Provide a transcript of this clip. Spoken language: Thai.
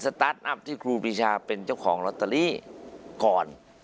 ตาร์ทอัพที่ครูปีชาเป็นเจ้าของลอตเตอรี่ก่อน